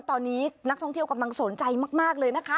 ตอนนี้นักท่องเที่ยวกำลังสนใจมากเลยนะคะ